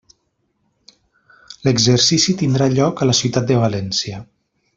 L'exercici tindrà lloc a la ciutat de València.